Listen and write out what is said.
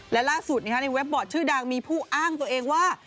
และล่าสุดในเว็บบอร์ดชื่อดังมีผู้อ้างตัวเองว่า